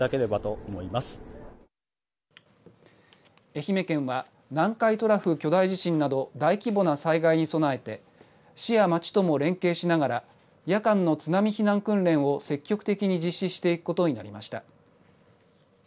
愛媛県は南海トラフ巨大地震など大規模な災害に備えて市や町とも連携しながら夜間の津波避難訓練を積極的に実施していくことになりました。